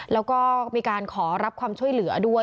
แล้วก็มีการขอรับความช่วยเหลือด้วย